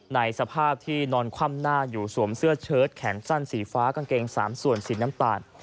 ในสภาพที่นอนคว่ำหน้าอยู่สวมเสื้อเชิดแขนสั้นสีฟ้ากางเกง๓ส่วนสีน้ำตาล